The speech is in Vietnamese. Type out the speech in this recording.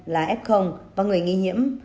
là f và người nghi hiểm